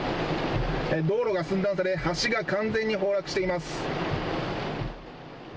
道路が寸断され橋が完全に崩落しています。